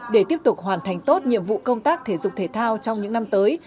để tiếp tục hoàn thành tốt nhiệm vụ công tác thể dục thể thao trong những năm tới